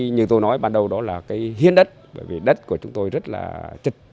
như tôi nói ban đầu đó là hiên đất bởi vì đất của chúng tôi rất là trịch